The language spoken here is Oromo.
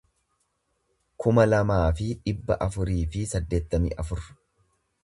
kuma lamaa fi dhibba afurii fi saddeettamii afur